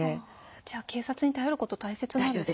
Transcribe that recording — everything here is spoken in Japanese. じゃあ警察に頼ること大切なんですね。